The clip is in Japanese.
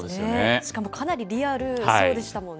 しかもかなりリアルそうでしたもんね。